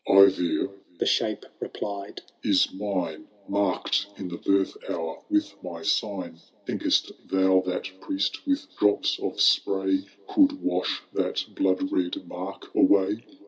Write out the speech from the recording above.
—" Eivir," the Shape replied, " is mine. Marked in the birth hour with my sign. Think'st thou that priest with drops of spray Could wash that blood red mark away